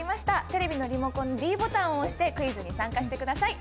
テレビのリモコンのｄボタンを押してクイズに参加してください。